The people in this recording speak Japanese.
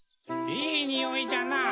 いいにおいじゃなぁ